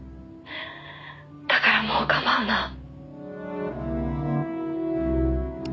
「だからもう構うな」